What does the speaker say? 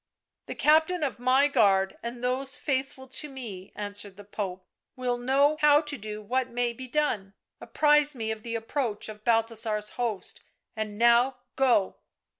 " The captain of my guard and those faithful to me," answered the Pope, " will know how to do what may be done — apprise me of the approach of Balthasar's host, and now go."